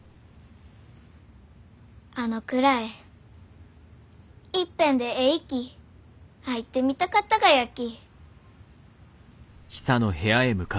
あの蔵へいっぺんでえいき入ってみたかったがやき。